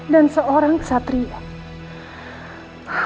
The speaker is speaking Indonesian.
dan seorang ksatria